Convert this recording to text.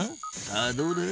さあどうだ？